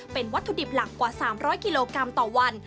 เป็นวัตถุดิบหลักกว่า๓๐๐กิโลกรัมต่อวัน